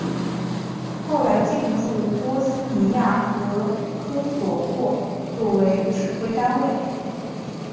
后来进驻波斯尼亚和科索沃作为指挥单位。